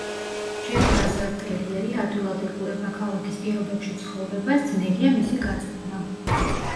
ჯეკ რასელ ტერიერი ადვილად ეგუება ქალაქის პირობებში ცხოვრებას, ძნელია მისი გაწვრთნა.